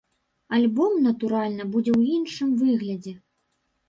Альбом, натуральна, будзе ў іншым выглядзе.